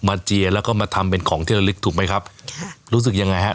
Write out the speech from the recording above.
เจียแล้วก็มาทำเป็นของเที่ยวลึกถูกไหมครับค่ะรู้สึกยังไงฮะ